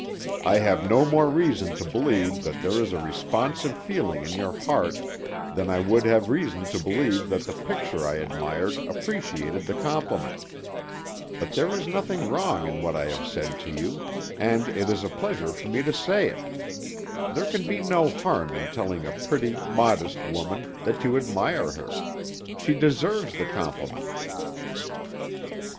I have no more reason to believe that there is a responsive feeling in your heart than I would have reason to believe that the picture I admired appreciated the compliment, but there is nothing wrong in what I have said to you, and it is a pleasure for me to say it; there can be no harm in telling a pretty, modest woman that you admire her she deserves the compliment."